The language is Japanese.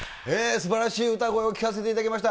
すばらしい歌声を聴かせていただきました。